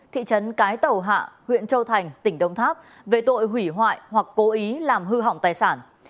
thị trấn cái tàu hạ huyện châu thành tỉnh đông tháp về tội hủy hoại hoặc cố ý làm hư hỏng tài sản